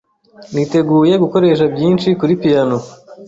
Niteguye gukoresha byinshi kuri piyano.